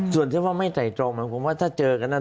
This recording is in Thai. ส่วนที่ว่าไม่ไต่ตรองหมายความว่าถ้าเจอกันนั้น